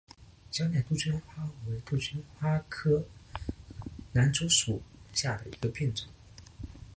小果珍珠花为杜鹃花科南烛属下的一个变种。